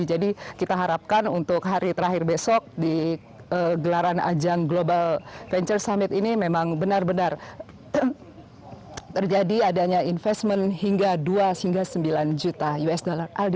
kita harapkan untuk hari terakhir besok di gelaran ajang global venture summit ini memang benar benar terjadi adanya investment hingga dua hingga sembilan juta usd